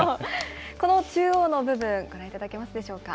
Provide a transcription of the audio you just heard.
この中央の部分、ご覧いただけますでしょうか。